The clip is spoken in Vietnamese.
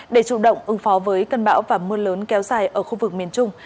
để chủ động ứng phó với cơn bão và mưa lớn kéo dài ở khu vực miền trung